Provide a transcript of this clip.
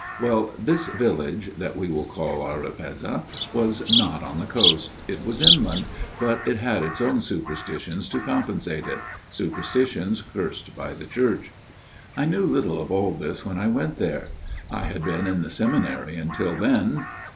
Well, this village that we will call Arripezza was not on the coast. It was inland, but it had its own superstitions to compensate it superstitions cursed by the Church. " I knew little of all this when I went there. I had been in the seminary until then.